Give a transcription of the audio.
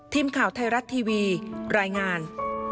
ทีมข่าวไทยรัฐทีวีรายงาน